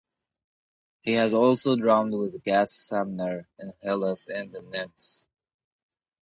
He has also drummed with Gaz Sumner in Hylas and the Nymphs.